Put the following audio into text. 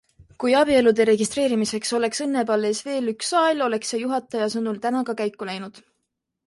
Kui abielude registreerimiseks oleks Õnnepalees veel üks saal, oleks see juhataja sõnul täna ka käiku läinud.